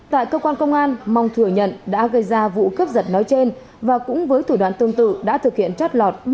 tại cơ quan công an mong thừa nhận đã gây ra vụ cướp giật nói trên và cũng với thủ đoạn tương tự đã thực hiện trót lọt